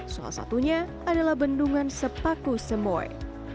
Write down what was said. salah satunya adalah bendungan sepaku semoy